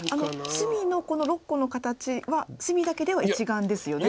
隅のこの６個の形は隅だけでは１眼ですよね。